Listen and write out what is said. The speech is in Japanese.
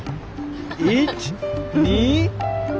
１２。